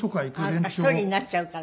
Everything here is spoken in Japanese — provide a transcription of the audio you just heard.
１人になっちゃうから。